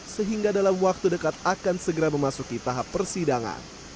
sehingga dalam waktu dekat akan segera memasuki tahap persidangan